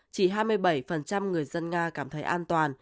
chỉ hai mươi bảy người dân nga cảm thấy an toàn